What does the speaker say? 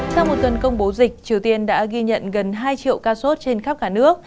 sau một tuần công bố dịch triều tiên đã ghi nhận gần hai triệu ca sốt trên khắp cả nước